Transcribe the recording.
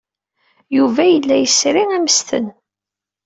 Yuba yella yesri ammesten.